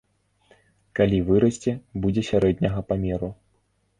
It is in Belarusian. Калі вырасце, будзе сярэдняга памеру.